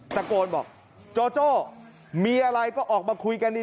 ตะโกนบอกโจโจ้มีอะไรก็ออกมาคุยกันดี